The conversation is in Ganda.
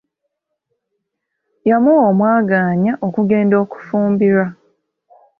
Yamuwa omwagaanya okugenda okufumbirwa.